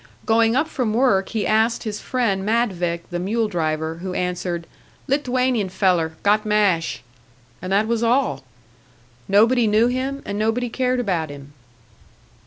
Going up from work, he asked his friend Madvik, the mule driver, who answered, "Lit'uanian feller got mash." And that was all. Nobody knew him, and nobody cared about him.